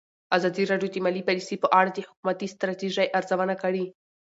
ازادي راډیو د مالي پالیسي په اړه د حکومتي ستراتیژۍ ارزونه کړې.